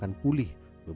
setiap hari setiap hari